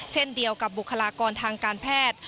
เช่นเดียวกับบุคลากรทางการแพทย์